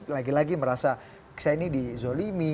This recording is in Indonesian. lagi lagi merasa saya ini dizolimi